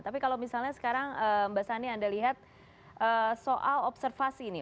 tapi kalau misalnya sekarang mbak sani anda lihat soal observasi nih